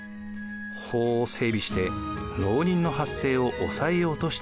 法を整備して牢人の発生を抑えようとしたのです。